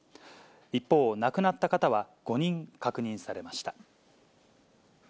一方、亡くなった方は５人確認されました。